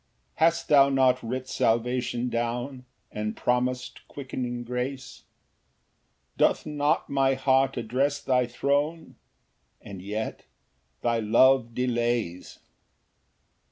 2 Hast thou not writ salvation down, And promis'd quickening grace? Doth not my heart address thy throne? And yet thy love delays. Ver.